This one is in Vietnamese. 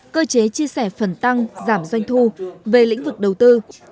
cơ chế chia sẻ phần tăng giảm doanh thu về lĩnh vực đầu tư